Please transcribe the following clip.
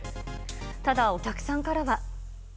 ただお客さんからは。